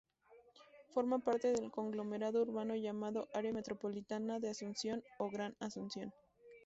Forma parte del conglomerado urbano llamado Área Metropolitana de Asunción o Gran Asunción.